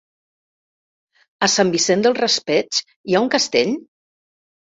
A Sant Vicent del Raspeig hi ha un castell?